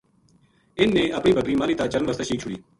اِنھ نے اپنی بکری ماہلی تا چرن واسطے شیک چھُڑی